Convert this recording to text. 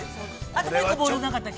◆あと、もう一個ボールなかったっけ？